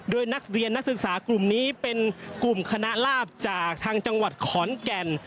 โดยนักเรียนนักศึกษากลุ่มนี้เป็นกลุ่มคณะลาบจากทางจังหวัดขอนแก่น